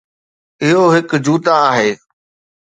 اهو هڪ جوتا آهي